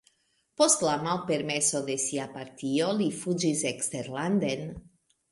Post la malpermeso de sia partio li fuĝis eksterlanden.